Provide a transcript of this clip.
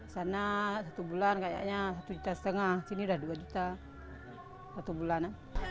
sana satu bulan kayaknya satu juta setengah sini udah dua juta satu bulan